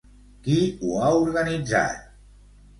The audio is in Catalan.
Qui ho ha organitzat?